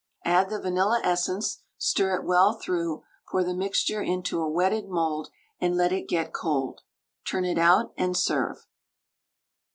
Add the vanilla essence, stir it well through, pour the mixture into a wetted mould, and let it get cold. Turn it out, and serve.